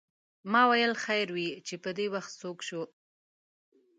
ما ویل خیر وې چې پدې وخت څوک شو.